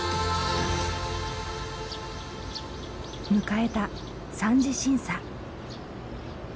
迎えた３次審査。